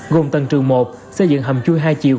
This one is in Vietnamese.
gồm tầng trường một xây dựng hầm chui hai chiều